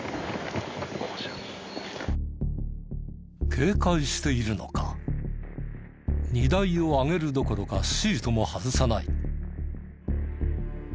警戒しているのか荷台を上げるどころかシートも外さない。